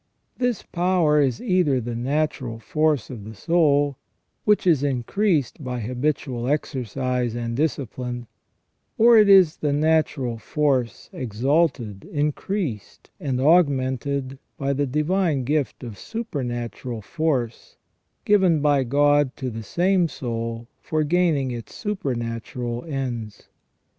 This power is either the natural force of the soul, which is increased by habitual exercise and discipline, or it is the natural force exalted, increased, and augmented by the divine gift of supernatural force, given by God to the same soul for gaining its supernatural ends.